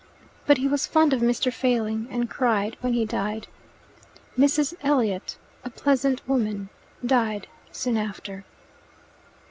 But he was fond of Mr. Failing, and cried when he died. Mrs. Elliot, a pleasant woman, died soon after.